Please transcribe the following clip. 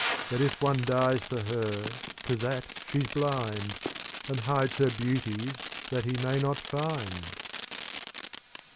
That if one dies for her, to that she's blind. And hides her beauties that he may not find?